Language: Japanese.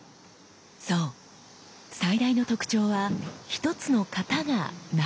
そう最大の特徴は一つの型が長いこと。